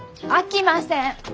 あきません！